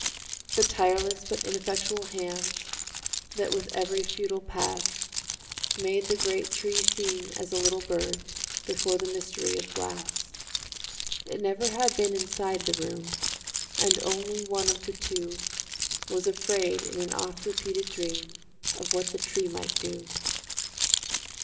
The tireless but ineffectual hands That with every futile pass Made the great tree seem as a little bird Before the mystery of glass! It never had been inside the room, And only one of the two Was afraid in an oft repeated dream Of what the tree might do.